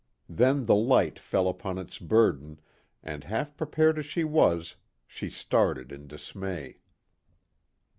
Then the light fell upon its burden, and half prepared as she was, she started in dismay.